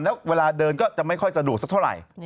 แล้วเวลาเดินก็จะไม่ค่อยสะดวกสักเท่าไหร่